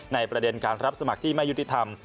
ประเด็นการรับสมัครที่ไม่ยุติธรรม